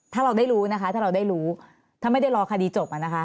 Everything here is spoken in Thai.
ถ้าเราได้รู้ถ้าไม่ได้รอคดีจบล่ะนะคะ